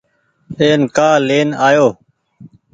اين ڪآ لين آيو۔